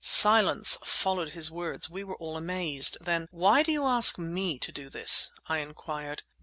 Silence followed his words; we were all amazed. Then— "Why do you ask me to do this?" I inquired.